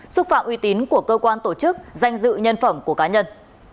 xúc phạm uy tín của cơ quan tổ chức danh dự nhân phẩm của cá nhân